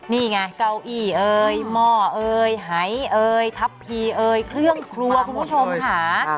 นี่ไงเก้าอี้เอ่ยหม้อเอยหายเอ่ยทัพพีเอ่ยเครื่องครัวคุณผู้ชมค่ะ